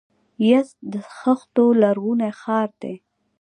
یزد د خښتو لرغونی ښار دی.